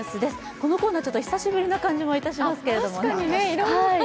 このコーナー、久しぶりな感じもいたしますけれども。